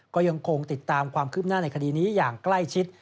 ก็ยังคงติดตามความคืบหน้าในคดีนี้อย่างใกล้ชิด